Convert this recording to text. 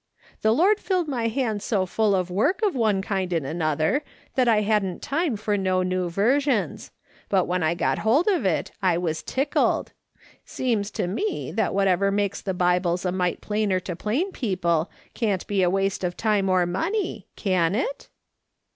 The Lord filled my hands so full of work of one kind and another that I hadn't time for no new versions ; but when I got hold of it I was tickled. Seems to me that whatever makes the Bibles a mite plainer to plain people can't be a waste of time or money, can it